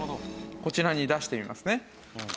こちらに出してみますね。